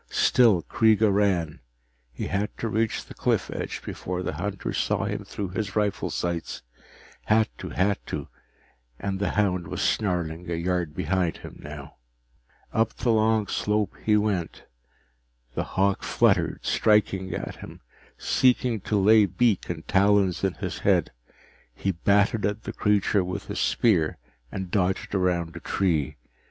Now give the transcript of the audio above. Still Kreega ran. He had to reach the cliff edge before the hunter saw him through his rifle sights had to, had to, and the hound was snarling a yard behind now. Up the long slope he went. The hawk fluttered, striking at him, seeking to lay beak and talons in his head. He batted at the creature with his spear and dodged around a tree.